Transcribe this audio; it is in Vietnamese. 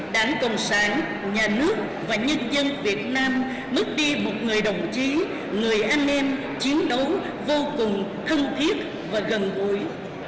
đảng cộng sản nhà nước và nhân dân việt nam mất đi một người đồng chí người anh em chiến đấu vô cùng thân thiết và gần gũi